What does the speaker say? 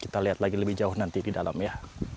kita lihat lagi lebih jauh nanti di dalam ya